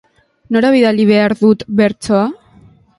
Nora bidali behar dut bertsoa?